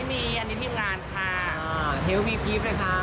ไม่มีอันนี้มีงานค่ะ